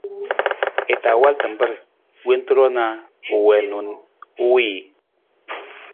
I ta wal tamar wonta ru na u wii na u wiiji.